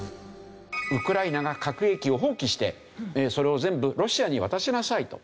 ウクライナが核兵器を放棄してそれを全部ロシアに渡しなさいと。